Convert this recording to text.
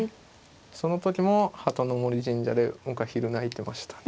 その時も鳩森神社で僕は昼泣いてました。